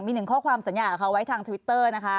มีหนึ่งข้อความสัญญากับเขาไว้ทางทวิตเตอร์นะคะ